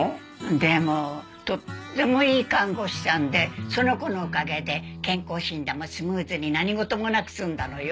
でもとってもいい看護師さんでその子のおかげで健康診断もスムーズに何事もなく済んだのよ。